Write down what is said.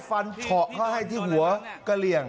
เฉาะเข้าให้ที่หัวกะเหลี่ยง